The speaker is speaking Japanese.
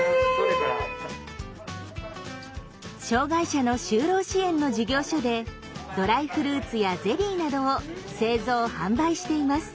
障害者の就労支援の事業所でドライフルーツやゼリーなどを製造販売しています。